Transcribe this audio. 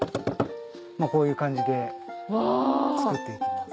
こういう感じで作って行きます。